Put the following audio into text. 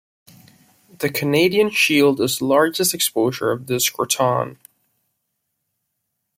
The Canadian Shield is the largest exposure of this craton.